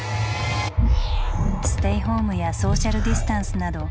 「ステイホーム」や「ソーシャルディスタンス」など。